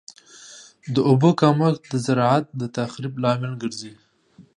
د اوبو کمښت د زراعت د تخریب لامل ګرځي.